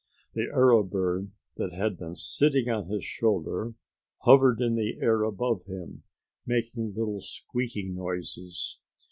The arrow bird that had been sitting on his shoulder hovered in the air above him making little squeaking noises.